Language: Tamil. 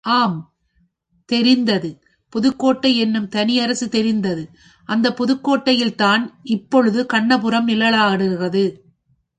ஆம் தெரிந்தது, புதுக்கோட்டை என்னும் தனியரசு தெரிந்தது அந்தப் புதுக்கோட்டையில்தான் இப் பொழுது கண்ணபுரம் நிழலாடுகிறது.